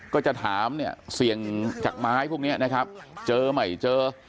ก็จะถามเนี่ยเสี่ยงจากไม้พวกนี้นะครับเจอใหม่เจอ